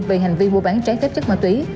về hành vi mua bán trái phép chất ma túy